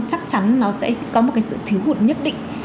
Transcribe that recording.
chắc chắn nó sẽ có một cái sự thiếu hụt nhất định